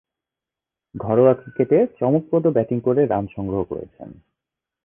ঘরোয়া ক্রিকেটে চমকপ্রদ ব্যাটিং করে রান সংগ্রহ করেছেন।